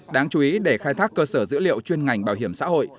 đáng chú ý để khai thác cơ sở dữ liệu chuyên ngành bảo hiểm xã hội